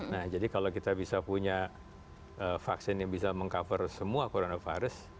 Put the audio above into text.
nah jadi kalau kita bisa punya vaksin yang bisa meng cover semua coronavirus